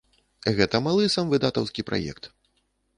Гэта малы самвыдатаўскі праект.